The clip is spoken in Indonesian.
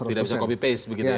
tidak bisa copy paste begitu ya